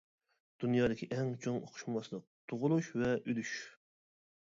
دۇنيادىكى ئەڭ چوڭ ئۇقۇشماسلىق-تۇغۇلۇش ۋە ئۈلۈش.